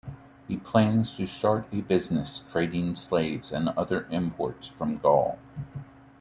He plans to start a business trading slaves and other imports from Gaul.